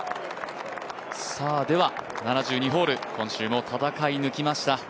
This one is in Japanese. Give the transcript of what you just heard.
７２ホール、今週も戦い抜きました。